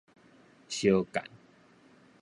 相姦